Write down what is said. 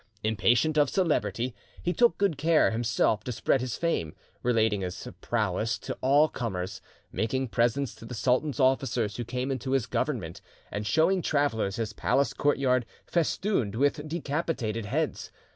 Impatient of celebrity, he took good care himself to spread his fame, relating his prowess to all comers, making presents to the sultan's officers who came into his government, and showing travellers his palace courtyard festooned with decapitated heads.